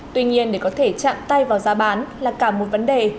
tuy nhiên để có thể chạm tay vào giá bán là cả một vấn đề